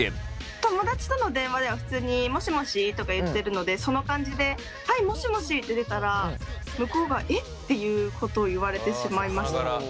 友達との電話では普通にもしもしとか言ってるのでその感じで「はいもしもし」って出たら向こうが「え？」っていうことを言われてしまいました。